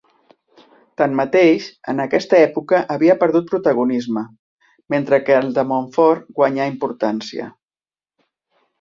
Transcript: Tanmateix, en aquesta època havia perdut protagonisme, mentre que el de Montfort guanyà importància.